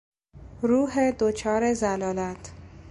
روح دچار ضلالت